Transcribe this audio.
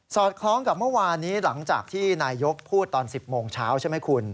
คล้องกับเมื่อวานนี้หลังจากที่นายยกพูดตอน๑๐โมงเช้าใช่ไหมคุณ